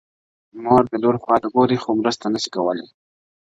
مور د لور خواته ګوري خو مرسته نه سي کولای,